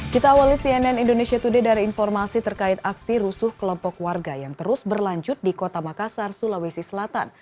kita awali cnn indonesia today dari informasi terkait aksi rusuh kelompok warga yang terus berlanjut di kota makassar sulawesi selatan